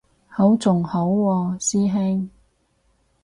好重口喎師兄